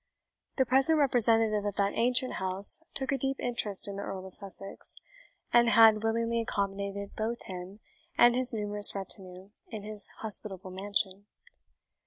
The present representative of that ancient house took a deep interest in the Earl of Sussex, and had willingly accommodated both him and his numerous retinue in his hospitable mansion.